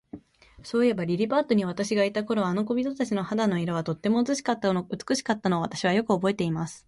そういえば、リリパットに私がいた頃、あの小人たちの肌の色は、とても美しかったのを、私はよくおぼえています。